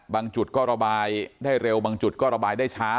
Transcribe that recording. จุดก็ระบายได้เร็วบางจุดก็ระบายได้ช้า